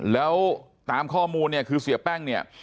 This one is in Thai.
แล้วตามข้อมูลเนี่ยคือเสียแป้งเนี่ย